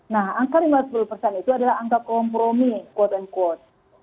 nah angka lima sepuluh persen itu adalah angka kompromi quote unquote